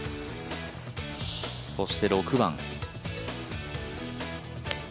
そして６番。